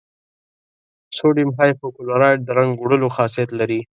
سوډیم هایپو کلورایټ د رنګ وړلو خاصیت لري.